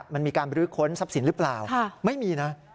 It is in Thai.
มันมีการบรื้อค้นทรัพย์สินหรือเปล่าไม่มีนะ